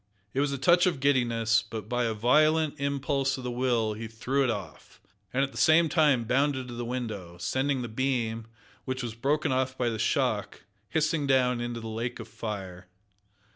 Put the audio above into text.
It was a touch of giddiness, but by a violent impulse of the will he threw it off, and at the same time bounded to the window, sending the beam, which was broken off by the shock, hissing down into the lake of fire.